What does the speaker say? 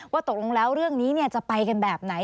ตกลงแล้วเรื่องนี้จะไปกันแบบไหน